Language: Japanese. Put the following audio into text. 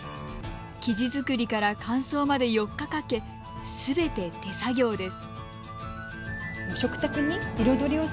生地作りから乾燥まで４日かけすべて手作業です。